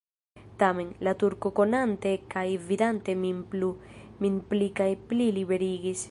Tamen, la Turko konante kaj vidante min plu, min pli kaj pli liberigis.